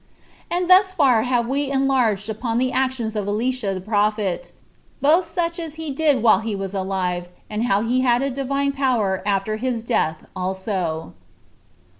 And thus far have we enlarged about the actions of Elisha the prophet, both such as he did while he was alive, and how he had a Divine power after his death also.